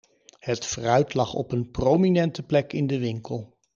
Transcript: Het fruit lag op een prominente plek in de winkel.